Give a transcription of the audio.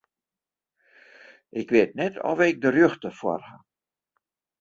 Ik wit net oft ik de rjochte foar haw.